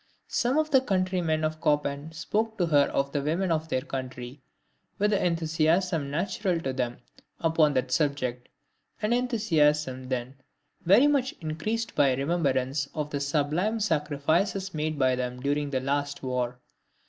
Some of the countrymen of Chopin spoke to her of the women of their country, with the enthusiasm natural to them upon that subject, an enthusiasm then very much increased by a remembrance of the sublime sacrifices made by them during the last war.